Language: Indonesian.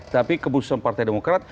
tapi keputusan partai demokrat